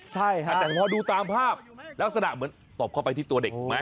ใช่ค่ะแต่พอดูตามภาพลักษณะเหมือนตบเข้าไปที่ตัวเด็กถูกไหม